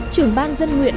trưởng ban dân nguyện